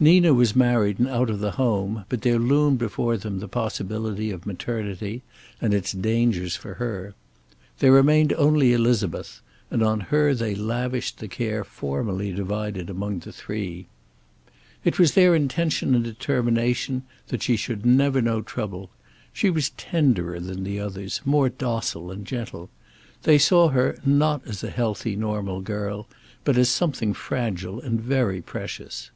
Nina was married and out of the home, but there loomed before them the possibility of maternity and its dangers for her. There remained only Elizabeth, and on her they lavished the care formerly divided among the three. It was their intention and determination that she should never know trouble. She was tenderer than the others, more docile and gentle. They saw her, not as a healthy, normal girl, but as something fragile and very precious.